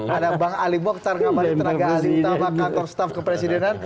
ada bang ali moktar ngabali tenaga ali taba kantor staf kepresidenan